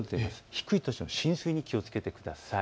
低い土地の浸水に気をつけてください。